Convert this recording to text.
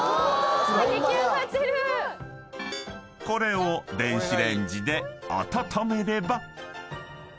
［これを電子レンジで温めれば］